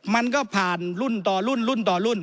มันก็ผ่านรุ่นต่อรุ่นรุ่นต่อรุ่น